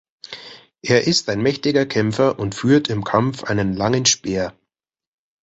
Er ist ein mächtiger Kämpfer und führt im Kampf einen langen Speer.